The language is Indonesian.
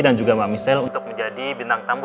dan juga mbak misel untuk menjadi bintang tamu